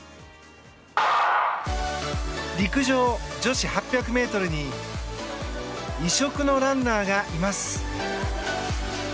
陸上女子８００ｍに異色のランナーがいます。